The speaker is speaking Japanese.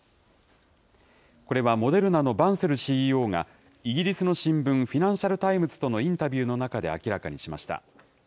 これはモデルナのバンセルＣＥＯが、イギリスの新聞、フィナンシャルタイムズとのインタビューの中で明らかにしました。